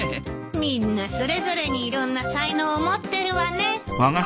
みんなそれぞれにいろんな才能を持ってるわね。